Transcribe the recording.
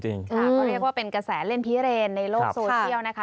ก็เรียกว่าเป็นกระแสเล่นพิเรนในโลกโซเชียลนะคะ